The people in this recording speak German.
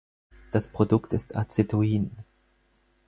Das Produkt ist Acetoin.